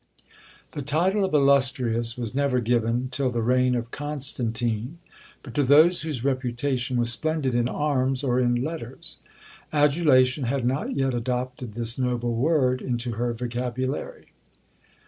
The title of illustrious was never given, till the reign of Constantine, but to those whose reputation was splendid in arms or in letters. Adulation had not yet adopted this noble word into her vocabulary.